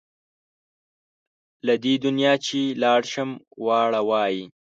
له دې دنیا چې لاړ شم واړه وایي.